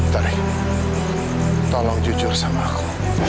terh tolong jujur sama aku